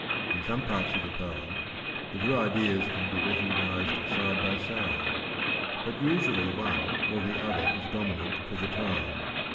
In some parts of the poem the two ideas can be recognised side by side, but usually one or the other is dominant for the time.